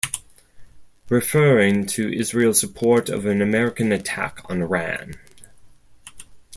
Referring to Israel's support of an American attack on Iran.